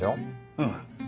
うん。